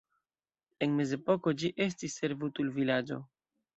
En mezepoko ĝi estis servutulvilaĝo.